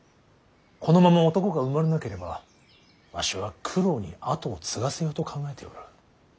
このまま男が生まれなければわしは九郎に跡を継がせようと考えておる。